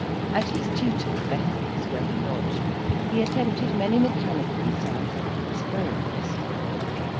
At his tutor, Bethell's, where he lodged, he attempted many mechanical and scientific experiments.